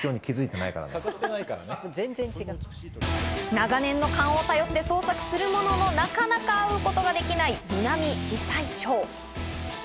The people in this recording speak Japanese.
長年の勘を頼って捜索するものの、なかなか会うことができないミナミジサイチョウ。